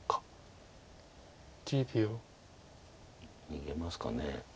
逃げますかね。